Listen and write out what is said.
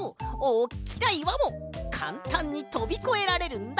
おっきないわもかんたんにとびこえられるんだ！